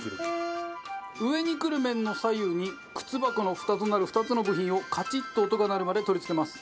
上にくる面の左右に靴箱のふたとなる２つの部品をカチッと音が鳴るまで取り付けます。